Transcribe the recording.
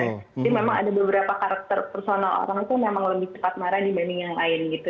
jadi memang ada beberapa karakter personal orang itu memang lebih cepat marah dibanding yang lain gitu